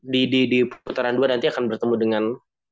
di putaran dua nanti akan bertemu dengan